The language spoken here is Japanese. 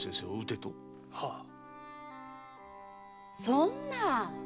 そんな！